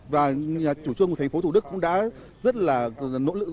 và chủ trương của thành phố thủ đức cũng đã rất là nỗ lực